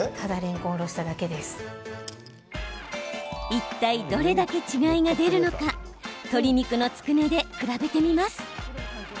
いったいどれだけ違いが出るのか鶏肉のつくねで比べてみます。